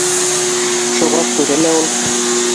Шуға күрә лә ул: